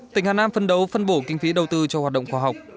tỉnh hà nam phân đấu phân bổ kinh phí đầu tư cho hoạt động khoa học